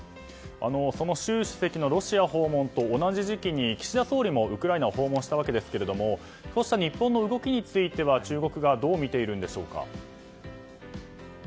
その習主席のロシア訪問と同じ時期に岸田総理もウクライナを訪問したわけですがそうした日本の動きについては中国側、どうみているんでしょう。